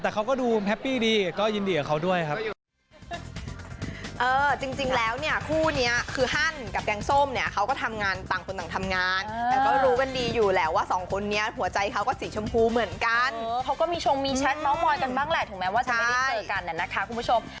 แต่เขาก็ดูแฮปปี้ดีก็ยินดีกับเขาด้วยครับ